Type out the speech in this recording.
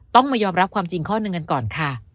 ต้องมายอมรับความจริงข้อหนึ่งกันก่อนค่ะ